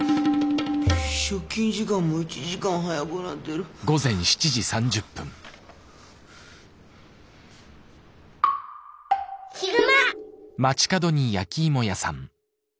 出勤時間も１時間早くなってる。悲熊。